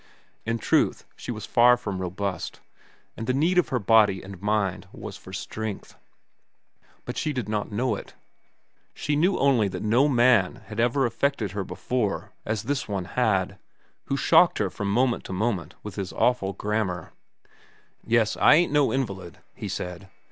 In truth, she was far from robust, and the need of her body and mind was for strength. But she did not know it. She knew only that no man had ever affected her before as this one had, who shocked her from moment to moment with his awful grammar. "Yes, I ain't no invalid," he said.